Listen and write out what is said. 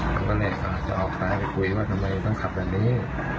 ผมก็เลยฝากจะออกซ้ายไปคุยว่าทำไมต้องขับแบบนี้